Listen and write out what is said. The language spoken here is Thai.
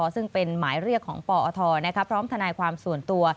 ซึ่งเป็นหมายเรียกของปอทพร้อมทนายความส่วนตัว